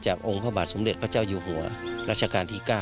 องค์พระบาทสมเด็จพระเจ้าอยู่หัวรัชกาลที่๙